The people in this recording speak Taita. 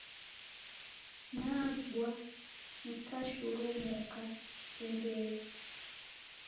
Nabwa nikashurumuka kitemberu.